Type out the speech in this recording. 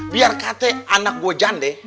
biar kata anak gue jande